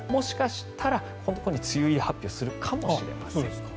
もしかしたら、梅雨入り発表するかもしれません。